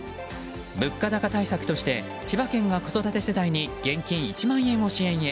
物価高対策として千葉県が子育て世帯に現金１万円を支援へ。